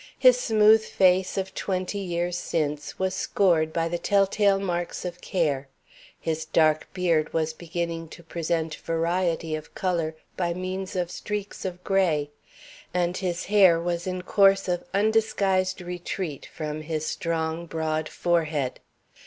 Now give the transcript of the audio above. His smooth face of twenty years since was scored by the telltale marks of care; his dark beard was beginning to present variety of color by means of streaks of gray; and his hair was in course of undisguised retreat from his strong broad forehead.